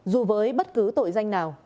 dù với bất cứ tội danh nào